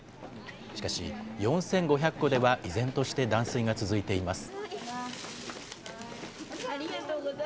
しかし、４５００戸では依然として断水が続いています。